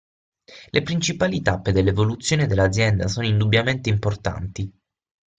Le principali tappe dell'evoluzione dell'azienda sono indubbiamente importanti.